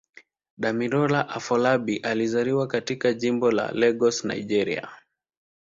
Damilola Afolabi alizaliwa katika Jimbo la Lagos, Nigeria.